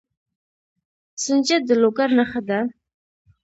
سنجد د لوګر نښه ده.